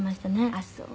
「あっそう」